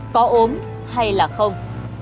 có ốm hay là không